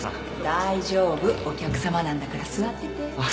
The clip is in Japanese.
大丈夫。お客さまなんだから座ってて